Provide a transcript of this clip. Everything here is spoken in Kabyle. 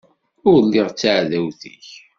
Ur lliɣ d taɛdawt-ik.